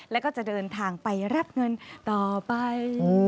แล้วก็จะเดินทางไปรับเงินต่อไป